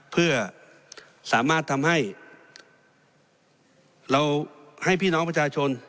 เพื่อสามารถทำให้เราให้พี่น้องประชาชน